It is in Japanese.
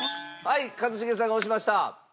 はい一茂さんが押しました。